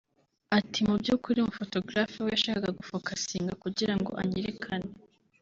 Ati “Mu by’ukuri umuphotographer we yashakaga guphocasinga kugirango anyerekane